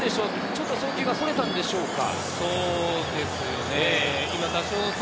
ちょっと送球がそれたんでしょうか。